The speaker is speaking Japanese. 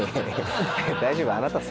大丈夫。